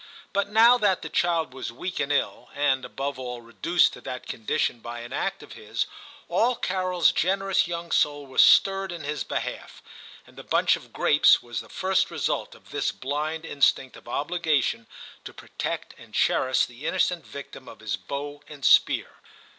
But now that the child was weak and ill, and, above all, reduced to that condition by an act of his, all Carols generous young soul was stirred in his behalf ; and the bunch of grapes was the first result of this blind in stinct of obligation to protect and cherish the innocent victim of his bow and spear.